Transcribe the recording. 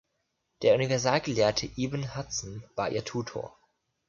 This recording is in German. Der Universalgelehrte Ibn Hazm war ihr Tutor.